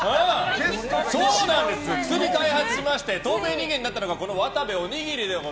そうなんです、薬を開発しまして透明人間になったのがこの渡部おにぎりです。